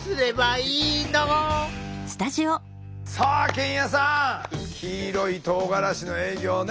さあ健也さん黄色いとうがらしの営業ね